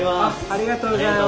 ありがとうございます。